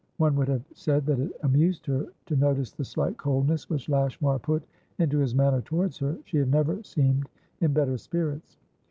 One would have said that it amused her to notice the slight coldness which Lashmar put into his manner towards her. She had never seemed in better spirits.